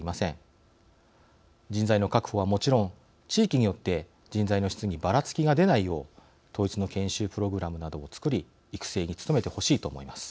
人材の確保はもちろん地域によって人材の質にばらつきが出ないよう統一の研修プログラムなどを作り育成に努めてほしいと思います。